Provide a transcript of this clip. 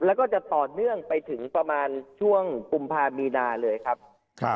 แล้วก็จะต่อเนื่องไปถึงประมาณช่วงกุมภามีนาเลยครับ